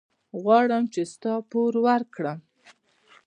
غواړم چې ستا پور ورکړم.